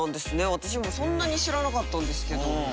私もそんなに知らなかったんですけど。